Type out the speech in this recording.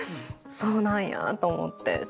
そうなんやと思って。